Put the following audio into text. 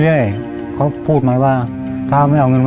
แล้วไม่มีแล้ว